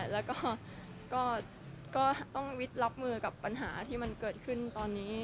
แล้วก็ก็ต้องวิทย์รับมือกับปัญหาที่มันเกิดขึ้นตอนนี้